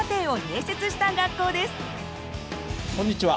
こんにちは。